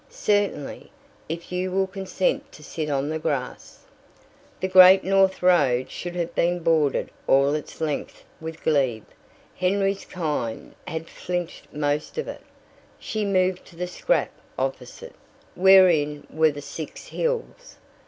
"Certainly, if you will consent to sit on the grass." The Great North Road should have been bordered all its length with glebe. Henry's kind had filched most of it. She moved to the scrap opposite, wherein were the Six Hills.